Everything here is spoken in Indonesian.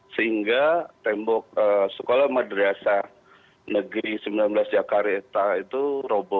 sehingga tembok sekolah madrasah negeri sembilan belas jakarta itu robo